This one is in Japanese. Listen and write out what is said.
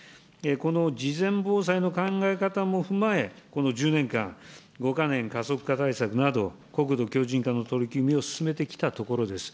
この事前防災の考え方も踏まえ、この１０年間、５か年加速化対策など、国土強じん化の取り組みを進めてきたところです。